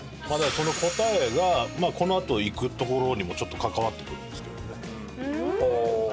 まあだからその答えがこのあと行く所にもちょっと関わってくるんですけどね。